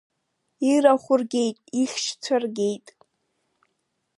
Ирахә ргеит, ихьшьцәа ргеит.